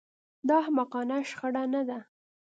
دا احمقانه شخړه نه ده